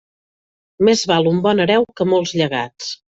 Més val un bon hereu que molts llegats.